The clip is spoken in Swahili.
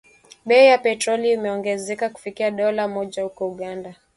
Bei ya petroli imeongezeka kufikia dola moja huko Uganda